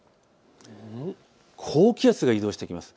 高気圧が移動してきます。